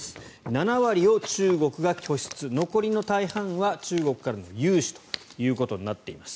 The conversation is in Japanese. ７割を中国が拠出残りの大半は中国からの融資ということになっています。